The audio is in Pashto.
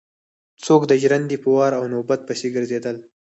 څوک د ژرندې په وار او نوبت پسې ګرځېدل.